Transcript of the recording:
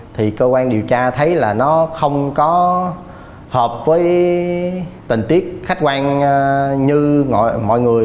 thì cơ quan điều tra thấy là nó không có hợp với tình tiết khách quan như mọi người